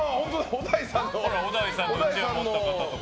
小田井さんのうちわ持った方とか。